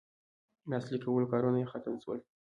لاسلیک کولو کارونه یې ختم سول.